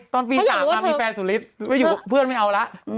ตอนปี๓มามีแฟนสุฤทธิ์เพื่อนไม่เอาละ